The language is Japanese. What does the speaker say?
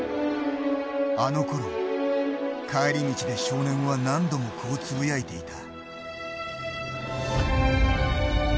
あのころ、帰り道で少年は何度もこうつぶやいていた。